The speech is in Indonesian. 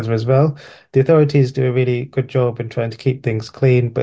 pemerintah melakukan kerja yang baik dalam mencoba untuk menjaga kebersihan